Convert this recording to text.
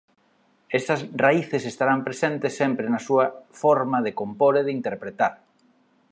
Estas raíces estarán presentes sempre na súa forma de compor e de interpretar.